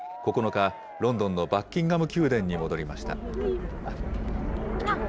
９日、ロンドンのバッキンガム宮殿に戻りました。